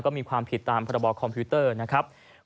ก็มีความผิดตามพรบคอมพิวเตอร์นะครับ